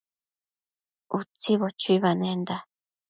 Utsibo chuibanenda